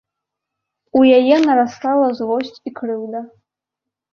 У яе нарастала злосць і крыўда.